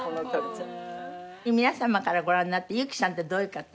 皆様からご覧になって雪さんってどういう方？